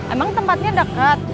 emang tempatnya deket